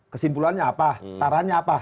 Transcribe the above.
kesimpulannya apa sarannya apa